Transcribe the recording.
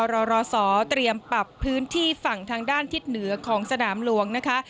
รอรสเตรียมปรับพื้นที่ฝั่งทางด้านทิศเหนือของสนามหลวงนะคะ